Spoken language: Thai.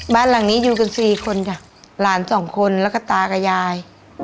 บ้านหลังนี้อยู่กัน๔คนลาน๒คนแล้วก็ตากับยาย